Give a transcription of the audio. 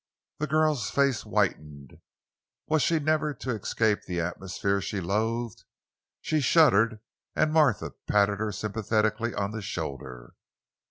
The girl's face whitened. Was she never to escape the atmosphere she loathed? She shuddered and Martha patted her sympathetically on the shoulder.